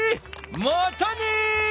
またね！